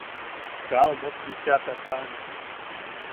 –“Kaa omot bicha sakaʼane.”